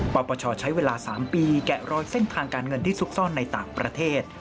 ปปชใช้เวลา๓ปีแกะรอยเส้นทางการเงินที่ซุกซ่อนในต่างประเทศ